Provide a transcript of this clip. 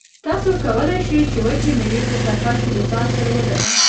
تاسو کولای شئ چې وچې مېوې په سفر کې له ځان سره ولرئ.